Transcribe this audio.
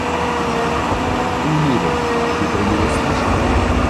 Уверен, вы про него слышали.